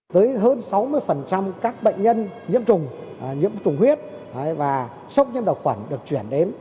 tới hơn sáu mươi các bệnh nhân nhiễm trùng nhiễm trùng huyết và sốc nhiễm độc khuẩn được chuyển đến